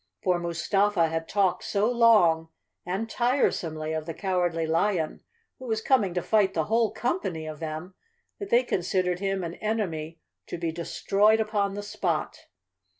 For Mustafa had talked so long and tiresomely of the Cowardly Lion, who was coming to fight the whole company of them, that they consid¬ ered him an enemy to be destroyed upon the spot.